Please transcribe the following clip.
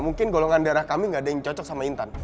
mungkin golongan darah kami nggak ada yang cocok sama intan